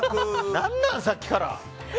何なん、さっきから。